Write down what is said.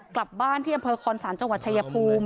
กลับบ้านที่อำเภอคอนศาลจังหวัดชายภูมิ